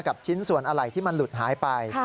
ชิ้นส่วนอะไรที่มันหลุดหายไป